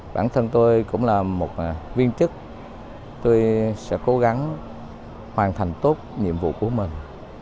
bản thân tôi cũng là một viên chức tôi sẽ cố gắng hoàn thành tốt nhiệm vụ của mình